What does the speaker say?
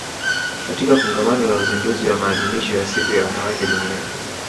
katika Kongamano la Uzinduzi wa Maadhimisho ya Siku ya Wanawake Duniani